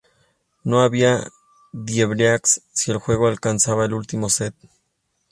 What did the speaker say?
No había tie-break si el juego alcanzaba el último set.